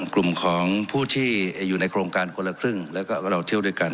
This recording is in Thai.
กลุ่มของผู้ที่อยู่ในโครงการคนละครึ่งแล้วก็เราเที่ยวด้วยกัน